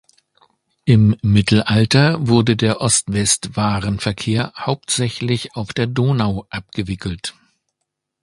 Im Mittelalter wurde der Ost-West-Warenverkehr hauptsächlich auf der Donau abgewickelt.